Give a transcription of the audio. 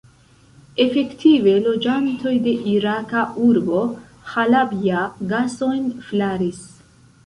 Efektive, loĝantoj de iraka urbo Ĥalabja gasojn flaris.